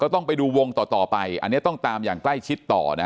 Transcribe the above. ต้องไปดูวงต่อไปต้องตามอย่างใกล้ชิดต่อ